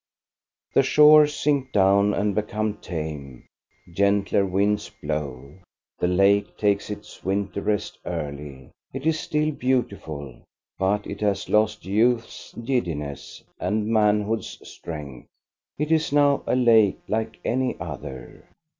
The shores sink down and become tame, gentler winds blow, the lake takes its winter rest early. It is still beautiful, but it has lost youth's giddiness and manhood's strength — it is now a lake like any other.